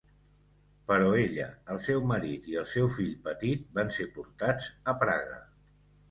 Però ella, el seu marit i el seu fill petit van ser portats a Praga.